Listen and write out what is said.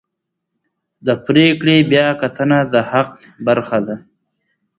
د پرېکړې بیاکتنه د حق برخه ده.